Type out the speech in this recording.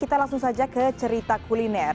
kita langsung saja ke cerita kuliner